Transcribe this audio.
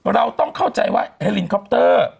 เราต้องเข้าใจว่าเฮลินคอปเตอร์